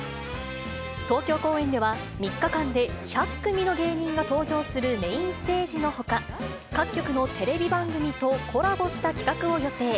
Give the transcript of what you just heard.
東京公演では、３日間で１００組の芸人が登場するメインステージのほか、各局のテレビ番組とコラボした企画を予定。